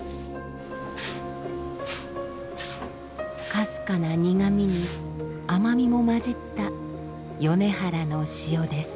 かすかな苦みに甘みも混じった米原の塩です。